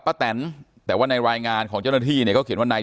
แตนแต่ว่าในรายงานของเจ้าหน้าที่เนี่ยเขาเขียนว่านาย